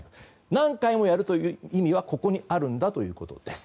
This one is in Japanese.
何回もやるという意味はここにあるんだということです。